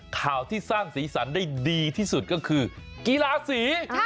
ข่าวที่สร้างสีสันได้ดีที่สุดก็คือกีฬาสี